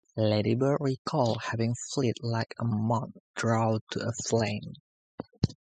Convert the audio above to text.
Lady Bird recalled having felt "like a moth drawn to a flame".